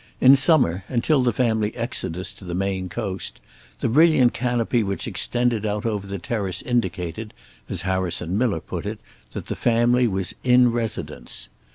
In summer, until the family exodus to the Maine Coast, the brilliant canopy which extended out over the terrace indicated, as Harrison Miller put it, that the family was "in residence."